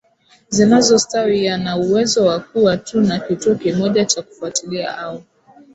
zinazostawi yana uwezo wa kuwa tu na kituo kimoja cha kufuatilia au